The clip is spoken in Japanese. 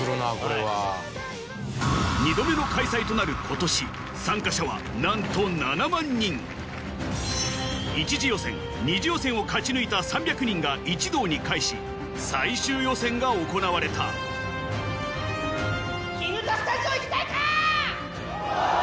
２度目の開催となる今年なんと１次予選２次予選を勝ち抜いた３００人が一堂に会し最終予選が行われた砧スタジオ行きたいか⁉オ！